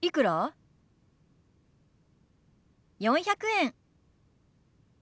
４００円。